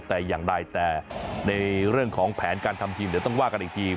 แต่อย่างใดแต่ในเรื่องของแผนการทำทีมเดี๋ยวต้องว่ากันอีกที